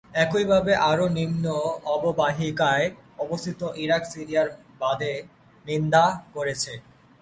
একইভাবে আরও নিম্ন অববাহিকায় অবস্থিত ইরাক সিরিয়ার বাঁধের নিন্দা করেছে।